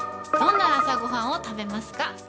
どんな朝ご飯を食べますか？